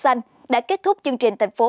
xanh đã kết thúc chương trình thành phố